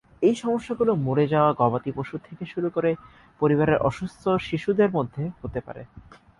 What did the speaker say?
এই সমস্যাগুলি মরে যাওয়া গবাদি পশু থেকে শুরু করে পরিবারের অসুস্থ শিশুদের মধ্যে হতে পারে।